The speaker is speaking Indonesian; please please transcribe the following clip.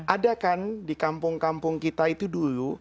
ada kan di kampung kampung kita itu dulu